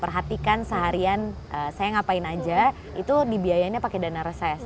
kemudian saya ngapain aja itu dibiayainya pakai dana reses